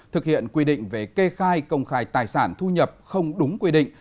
thực hiện quy định về kê khai công khai tài sản thu nhập không đúng quy định